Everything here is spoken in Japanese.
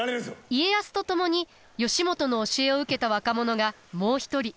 家康と共に義元の教えを受けた若者がもう一人。